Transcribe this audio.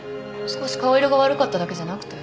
少し顔色が悪かっただけじゃなくて？